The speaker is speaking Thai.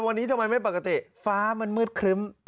วันนี้ทำไมไม่ปกติฟ้ามันมืดครึ้ม